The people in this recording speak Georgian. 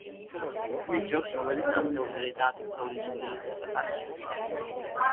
ქმნის ჯოგს, რომელიც ასეული და ათასეული სულისაგან შედგება.